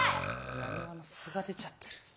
浪速の素が出ちゃってるっす。